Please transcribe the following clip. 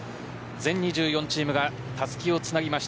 全２４チームがたすきをつなぎました。